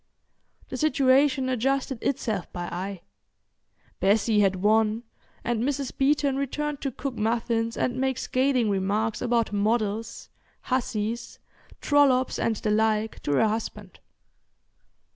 The situation adjusted itself by eye. Bessie had won, and Mrs. Beeton returned to cook muffins and make scathing remarks about models, hussies, trollops, and the like, to her husband.